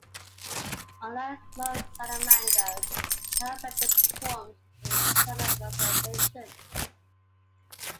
Unlike most salamanders, the hellbender performs external fertilization.